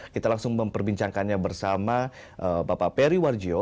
kita langsung memperbincangkannya bersama bapak peri warjio